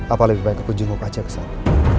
apa lebih baik aku kunjung ke rumah pacar ke sana